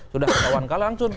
sudah kawan kawan langsung